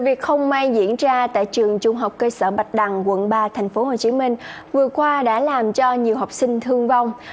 việc không may diễn ra tại trường trung học cơ sở bạch đằng quận ba tp hcm vừa qua đã làm cho nhiều học sinh thương vong